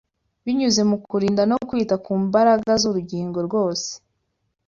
binyuze mu kurinda no kwita ku mbaraga z’urugingo rwose